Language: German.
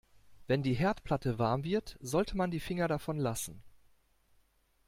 Wenn die Herdplatte warm wird, sollte man die Finger davon lassen.